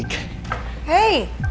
kok baru dateng sih